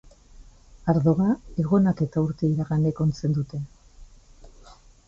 Ardoa egonak eta urte iraganek ontzen dute.